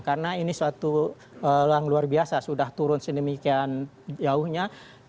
karena ini suatu luar biasa sudah turun sedemikian jauhnya